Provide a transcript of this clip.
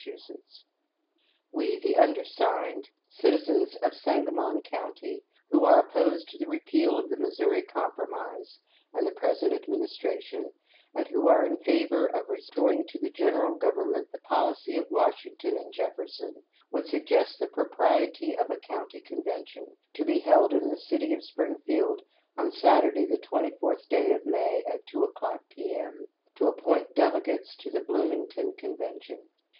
622 APPENDIX. " We, the undersigned, citizens of Sangamon County, who are opposed to the repeal of the Missouri Compromise, and the present administration, and who are in favor of restoring to the general government the policy of Washington and Jefferson, would suggest the propriety of a County Convention, to be held in the city of Springfield on Saturday, the 24th day of May, at 2 o'clock, P. M., to appoint delegates to the Blooming ton Convention.